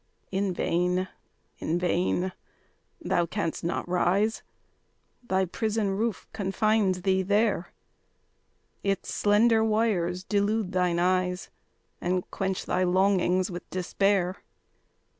In vain in vain! Thou canst not rise: Thy prison roof confines thee there; Its slender wires delude thine eyes, And quench thy longings with despair.